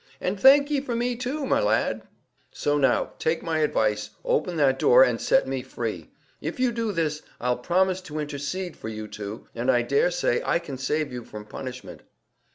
"And thank ye for me too, my lad." "So now, take my advice, open that door, and set me free. If you do this, I'll promise to intercede for you two, and I daresay I can save you from punishment."